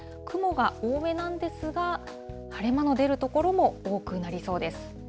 雲が多めなんですが、晴れ間の出る所も多くなりそうです。